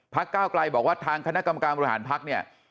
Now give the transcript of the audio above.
ภักร์ก้าวกลัยบอกว่าทางคณะกรรมการบริหารภักร์